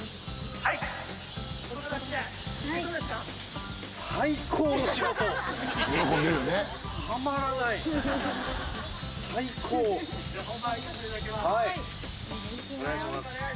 はい。